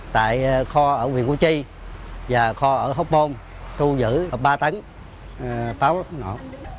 tại kho ở huyện hồ chí và kho ở hốc môn thu giữ ba tấn pháo nổ